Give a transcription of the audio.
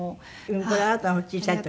これあなたの小さい時？